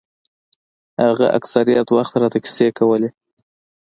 هغه اکثره وخت راته کيسې کولې.